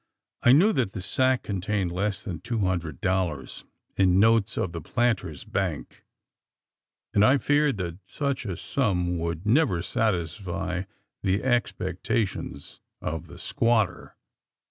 I knew that the sack contained less than two hundred dollars, in notes of the Planters' Bank; and I feared that such a sum would never satisfy the expectations of the squatter.